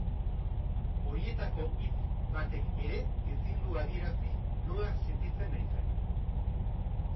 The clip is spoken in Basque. Horietako hitz batek ere ezin du adierazi nola sentitzen naizen.